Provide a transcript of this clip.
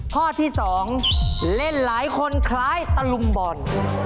ข้อที่๒เล่นหลายคนคล้ายตะลุมบอล